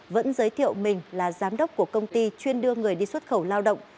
vẫn giới thiệu mình là giám đốc của công ty chuyên đưa người đi xuất khẩu lao động